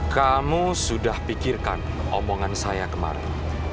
kamu sudah pikirkan omongan saya kemarin